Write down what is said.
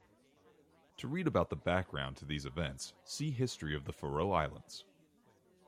To read about the background to these events, see history of the Faroe Islands.